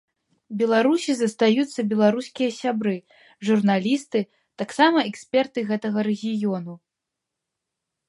Беларусі застаюцца беларускія сябры, журналісты, таксама эксперты гэтага рэгіёну.